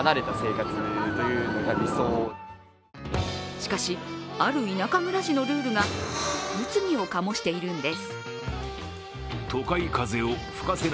しかし、ある田舎暮らしのルールが物議を醸しているんです。